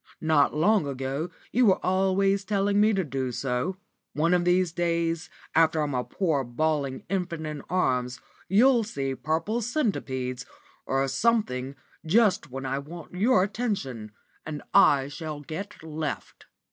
Not long ago you were always telling me to do so. One of these days, after I'm a poor bawling infant in arms, you'll see purple centipedes or something just when I want your attention, and I shall get left."